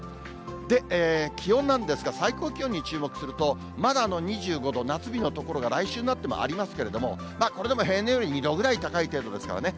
で、気温なんですが、最高気温に注目すると、まだ２５度、夏日の所が来週になってもありますけれども、これでも平年より２度ぐらい高い程度ですからね。